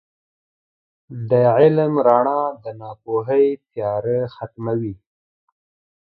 • د علم رڼا د ناپوهۍ تیاره ختموي.